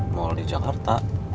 mall di jakarta